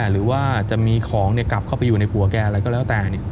หรือว่าจะมีของกลับเข้าไปอยู่ในผัวแกอะไรก็แล้วแต่